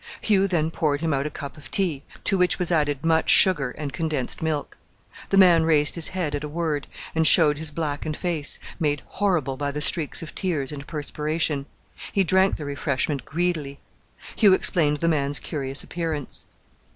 Hugh then poured him out a cup of tea, to which was added much sugar and condensed milk. The man raised his head at a word, and showed his blackened face, made horrible by the streaks of tears and perspiration. He drank the refreshment greedily. Hugh explained the man's curious appearance.